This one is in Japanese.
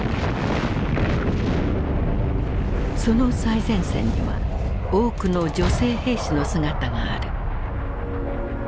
その最前線には多くの女性兵士の姿がある。